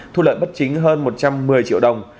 thu lợi bất chính hơn một trăm một mươi triệu đồng